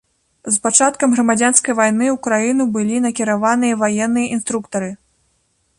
З пачаткам грамадзянскай вайны ў краіну былі накіраваныя ваенныя інструктары.